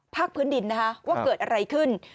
ภาคพื้นดินนะคะว่าเกิดอะไรขึ้น